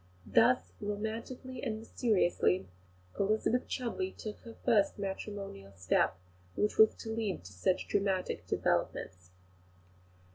Thus, romantically and mysteriously, Elizabeth Chudleigh took her first matrimonial step, which was to lead to such dramatic developments.